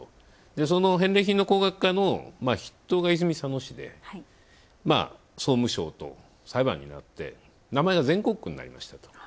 その返礼品の高額化の筆頭が泉佐野市で、総務省と裁判になって名前が全国区になりました。